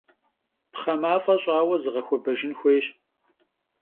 Pxhe maf'e ş'aue zığexuebejjın xuêyş.